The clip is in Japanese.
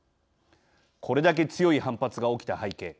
これだけ強い反発が起きた背景。